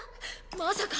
まさか！